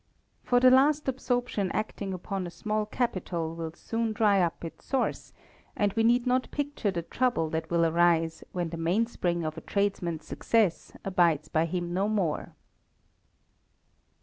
For the last absorption acting upon a small capital will soon dry up its source; and we need not picture the trouble that will arise when the mainspring of a tradesman's success abides by him no more.